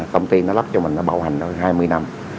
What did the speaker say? công ty nó lắp cho mình nó bảo hành đôi hai mươi năm